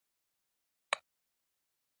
ډیر تولیدات د شخصي لګښت لپاره وو.